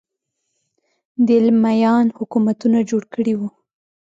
دیلمیان حکومتونه جوړ کړي وو